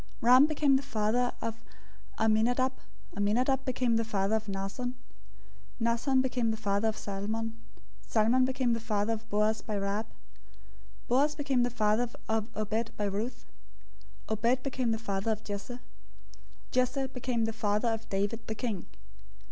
001:004 Ram became the father of Amminadab. Amminadab became the father of Nahshon. Nahshon became the father of Salmon. 001:005 Salmon became the father of Boaz by Rahab. Boaz became the father of Obed by Ruth. Obed became the father of Jesse. 001:006 Jesse became the father of David the king.